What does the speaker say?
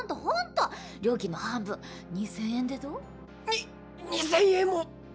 料金の半分２，０００円でどう？に２，０００円も！？